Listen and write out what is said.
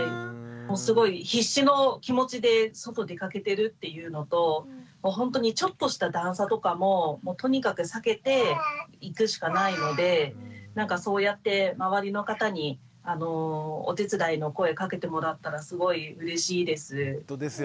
もうすごい必死の気持ちで外出かけてるっていうのともうほんとにちょっとした段差とかもとにかく避けて行くしかないのでなんかそうやって周りの方にお手伝いの声かけてもらったらすごいうれしいです。